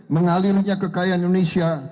mengalirnya kekayaan indonesia